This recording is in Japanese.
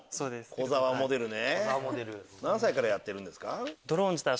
小澤モデルね！